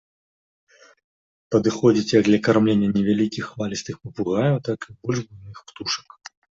Падыходзіць як для кармлення невялікіх хвалістых папугаяў, так і больш буйных птушак.